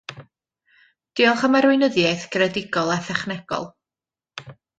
Diolch am arweinyddiaeth greadigol a thechnegol